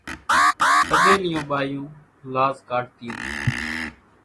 اڳيَ نيون ٻايوُن لاز ڪاڍتِيون۔